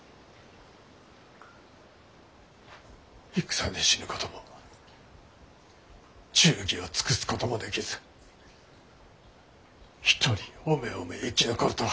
戦で死ぬことも忠義を尽くすこともできず一人おめおめ生き残るとは。